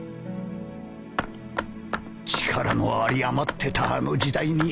力の有り余ってたあの時代に